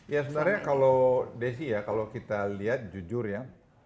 ya sebenarnya kalau desi ya kalau kita lihat jujur ya